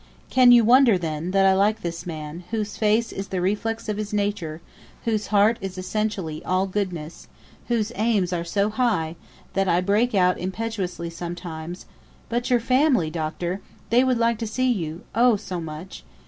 Can you wonder, then, that I like this man, whose face is the reflex of his nature, whose heart is essentially all goodness, whose aims are so high, that I break out impetuously sometimes: "But your family, Doctor, they would like to see you, oh! so much.